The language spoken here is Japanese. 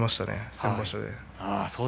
先場所で。